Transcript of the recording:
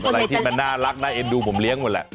อะไรที่มันน่ารักน่าเอ็นดูผมเลี้ยงหมดแหละ